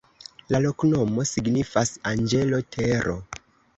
La loknomo signifas: anĝelo-tero.